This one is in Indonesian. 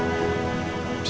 gak usah taruh difikirin lagi ya